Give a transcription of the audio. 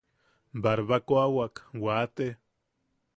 Barkaroawak wate.